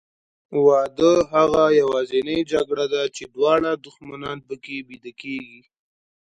واده هغه یوازینۍ جګړه ده چې دواړه دښمنان پکې بیده کېږي.